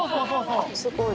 「すごい。